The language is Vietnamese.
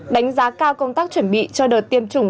đánh giá cao công tác chuẩn bị cho đợt tiêm chủng